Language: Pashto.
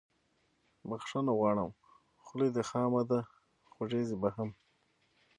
بخښنه غواړم خوله دې خامه ده خوږیږي به هم